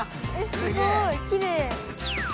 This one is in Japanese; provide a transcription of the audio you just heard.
すごいきれい。